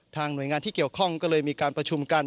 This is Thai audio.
หน่วยงานที่เกี่ยวข้องก็เลยมีการประชุมกัน